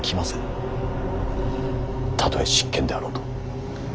たとえ執権であろうと。